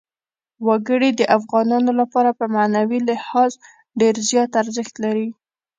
وګړي د افغانانو لپاره په معنوي لحاظ ډېر زیات ارزښت لري.